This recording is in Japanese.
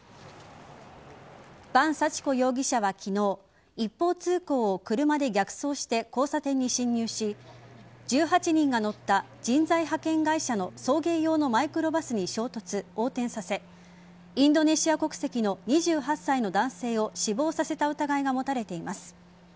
伴幸子容疑者は昨日一方通行を車で逆走して交差点に進入し１８人が乗った人材派遣会社の送迎用のマイクロバスに衝突横転させインドネシア国籍の２８歳の男性を死亡させた疑いが持たれています。